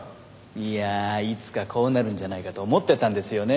いやあいつかこうなるんじゃないかと思ってたんですよね。